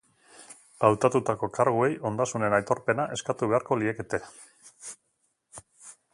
Hautatutako karguei ondasunen aitorpena eskatu beharko liekete.